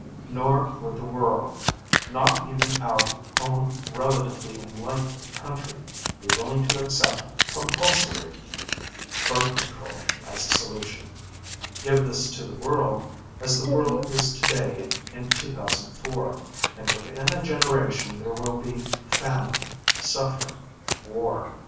Nor would the world not even our own relatively enlightened country be willing to accept compulsory birth control as a solution. "Give this to the world, as the world is today in 2004, and within a generation there will be famine, suffering, war.